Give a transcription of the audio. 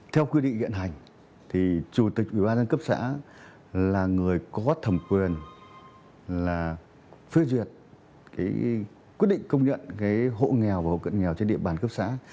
theo quy định hiện hành thì chủ tịch ủy ban dân cấp xã là người có thẩm quyền là phê duyệt quyết định công nhận hộ nghèo và hộ cận nghèo trên địa bàn cấp xã